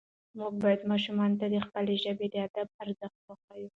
موږ باید ماشومانو ته د خپلې ژبې د ادب ارزښت وښیو